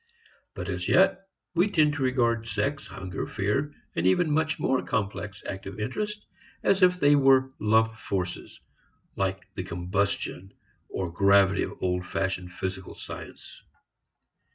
But as yet we tend to regard sex, hunger, fear, and even much more complex active interests as if they were lump forces, like the combustion or gravity of old fashioned physical science.